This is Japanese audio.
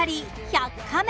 「１００カメ」